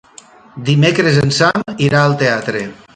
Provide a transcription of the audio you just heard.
Dimecres en Sam irà al teatre.